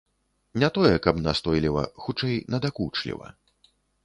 Не тое, каб настойліва, хутчэй надакучліва.